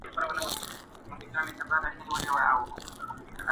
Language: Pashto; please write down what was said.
نوي یې راوړي تر اټکه پیغامونه دي!